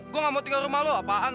gue gak mau tinggal di rumah lo paham